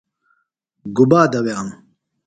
گُبا دوائنوۡ؟